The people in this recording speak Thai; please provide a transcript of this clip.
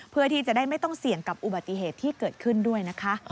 เพื่อที่จะได้ไม่ต้องเสี่ยงกับอุบัติเหตุที่เกิดขึ้นด้วยนะคะ